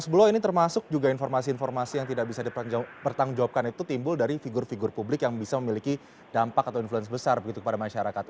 mas blo ini termasuk juga informasi informasi yang tidak bisa dipertanggungjawabkan itu timbul dari figur figur publik yang bisa memiliki dampak atau influence besar begitu kepada masyarakat